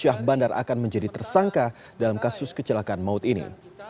syah bandar akan menjadi tersangka dalam kasus kecelakaan maut ini